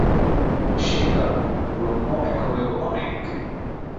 সেই কারণ ব্রহ্ম এক হয়েও অনেক।